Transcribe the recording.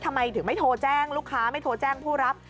ทำไมถึงไม่โทรแจ้งลูกค้าไม่โทรแจ้งผู้รับ